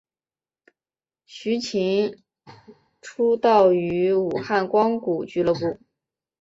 徐擎出道于武汉光谷俱乐部。